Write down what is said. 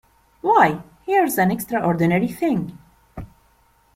Why, here's an extraordinary thing!